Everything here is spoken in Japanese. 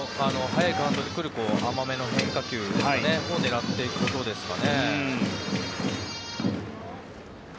早いカウントで来る甘めの変化球を狙っていくことですかね。